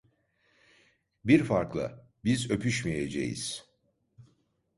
Bir farkla: Biz öpüşmeyeceğiz…